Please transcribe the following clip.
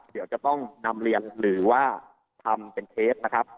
เดี๋ยวจะต้องนำเรียนหรือว่าทำเป็นเคสนะครับ